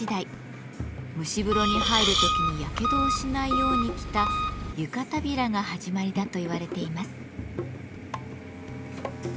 蒸し風呂に入る時にやけどをしないように着た「湯帷子」が始まりだと言われています。